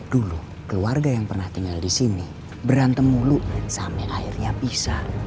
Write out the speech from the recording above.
dulu keluarga yang pernah tinggal disini berantem mulu sampe airnya bisa